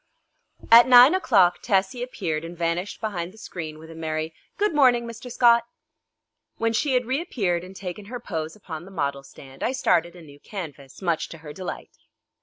At nine o'clock Tessie appeared and vanished behind the screen with a merry "Good morning, Mr. Scott." When she had reappeared and taken her pose upon the model stand I started a new canvas, much to her delight.